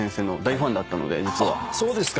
そうですか。